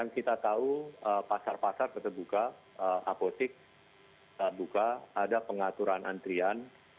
kita tahu pasar pasar tetap buka apotik buka ada pengaturan antrian